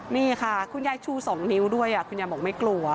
นี่ค่ะคุณยายชู๒นิ้วด้วยคุณยายบอกไม่กลัว